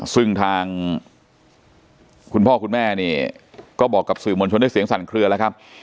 ซึ่งทางคุณพ่อคุณแม่เนี่ยก็บอกกับสื่อมวลชนด้วยเสียงสั่นเคลือแล้วครับ